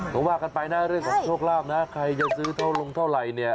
เพราะว่ากันไปหน้าเรื่องของโชคลาภนะใครจะซื้อลงเท่าไหร่เนี่ย